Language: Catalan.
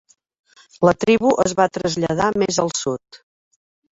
La tribu es va traslladar més al sud.